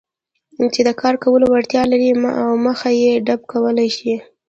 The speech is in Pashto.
چې د کار کولو وړتیا لري او مخه يې ډب کولای شي.